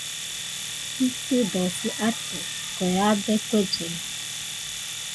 Jitɨdosi atɨ, kue rabe kuellena